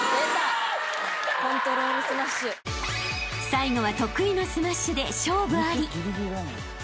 ［最後は得意のスマッシュで勝負あり］